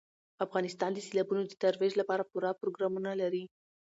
افغانستان د سیلابونو د ترویج لپاره پوره پروګرامونه لري.